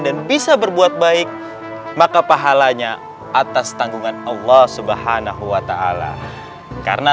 dan bisa berbuat baik maka pahalanya atas tanggungan allah subhanahuwata'ala karena